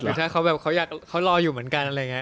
แต่ถ้าเขาแบบเขารออยู่เหมือนกันอะไรอย่างนี้